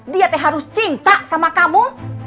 dia harus cinta sama kamu